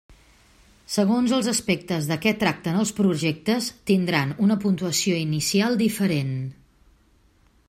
Segons els aspectes de què tracten els projectes, tindran una puntuació inicial diferent.